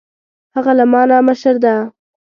هغه له ما نه مشر ده